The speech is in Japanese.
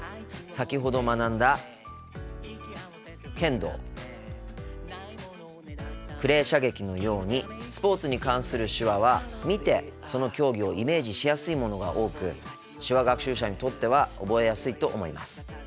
先ほど学んだ「剣道」「クレー射撃」のようにスポーツに関する手話は見てその競技をイメージしやすいものが多く手話学習者にとっては覚えやすいと思います。